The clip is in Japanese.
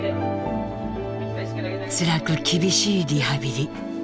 つらく厳しいリハビリ。